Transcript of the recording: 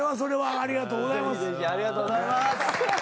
ありがとうございます。